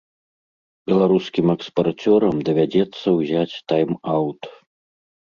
Беларускім экспарцёрам давядзецца ўзяць тайм-аўт.